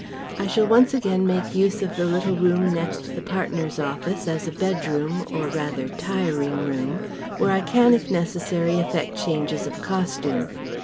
I shall once again make use of the little room next the partners' office as a bedroom or rather, "tiring" room, where I can if necessary effect changes of costume.